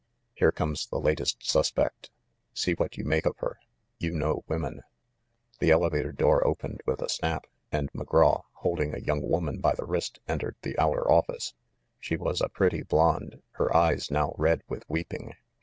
Here comes the latest suspect. See what you make of her. You know women." The elevator door opened with a snap, and Mc Graw, holding a young woman by the wrist, entered the outer office. She was a pretty blonde, her eyes now red with weeping.